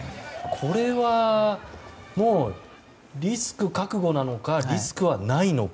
これはもう、リスク覚悟なのかリスクはないのか。